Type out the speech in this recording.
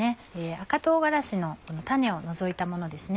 赤唐辛子の種を除いたものですね。